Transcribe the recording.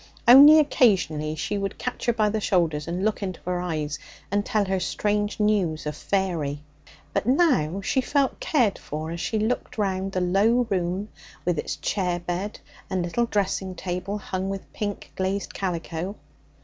Only occasionally she would catch her by the shoulders and look into her eyes and tell her strange news of faery. But now she felt cared for as she looked round the low room with its chair bed and little dressing table hung with pink glazed calico.